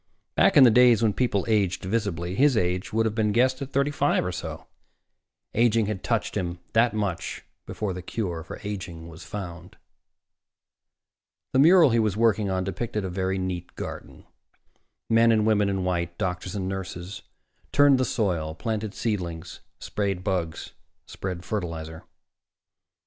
Back in the days when people aged visibly, his age would have been guessed at thirty five or so. Aging had touched him that much before the cure for aging was found. The mural he was working on depicted a very neat garden. Men and women in white, doctors and nurses, turned the soil, planted seedlings, sprayed bugs, spread fertilizer.